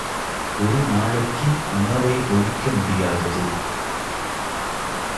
ஒரு நாளைக்கு உணவை ஒழிக்க முடியாதது.